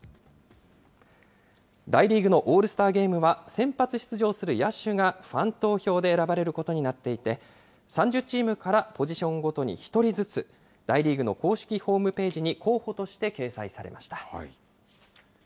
大リーグのオールスターゲームは、先発出場する野手がファン投票で選ばれることになっていて、３０チームからポジションごとに１人ずつ、大リーグの公式ホームページに候補として掲載されました。